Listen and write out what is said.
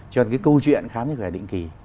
cho nên cái câu chuyện khám sức khỏe định kỳ